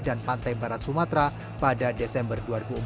dan pantai barat sumatera pada desember dua ribu empat